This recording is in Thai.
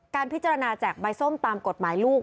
พิจารณาแจกใบส้มตามกฎหมายลูก